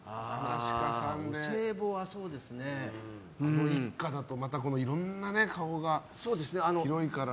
ご一家だとまたいろんなね顔が広いから。